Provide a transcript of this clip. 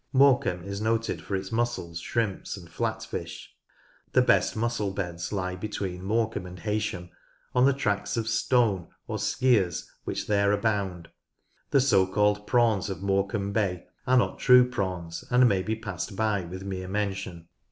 Morecambe is noted for its mussels, shrimps, and flat fish. The best mussel beds lie between Morecambe and Hey sham, on the tracts of stone or " skears " which there abound. The so called prawns of Morecambe Bay are not true prawns, and may be passed by with mere mention.